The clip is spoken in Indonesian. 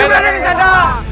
hidup raden kian santang